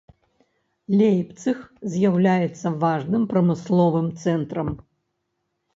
Лейпцыг з'яўляецца важным прамысловым цэнтрам.